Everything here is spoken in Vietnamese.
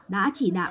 đã chỉ đạo